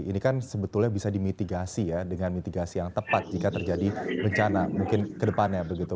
ini kan sebetulnya bisa dimitigasi ya dengan mitigasi yang tepat jika terjadi bencana mungkin ke depannya begitu